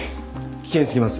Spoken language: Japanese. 危険過ぎます。